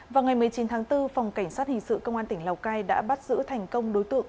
vào ngày một mươi chín tháng bốn phòng cảnh sát hình sự công an tỉnh lào cai đã bắt giữ thành công đối tượng